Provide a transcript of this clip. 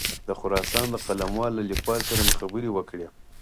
د خراسان د قلموال له لیکوال سره مې خبرې وکړې.